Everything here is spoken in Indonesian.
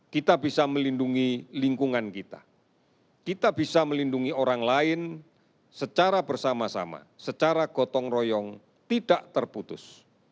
kita bisa melindungi lingkungan kita kita bisa melindungi orang lain secara bersama sama secara gotong royong tidak terputus